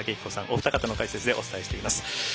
お二方の解説でお伝えしています。